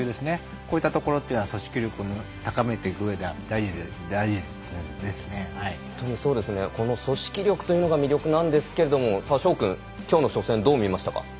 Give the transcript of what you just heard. こういったところというのは組織力を高めていく上ではこの組織力というのが魅力なんですけれども翔君、きょうの初戦はどう見ましたか。